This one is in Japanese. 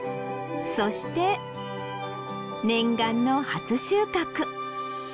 そして念願の初収穫！